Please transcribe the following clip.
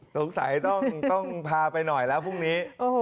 สงสัยต้องพาไปหน่อยแล้วพรุ่งนี้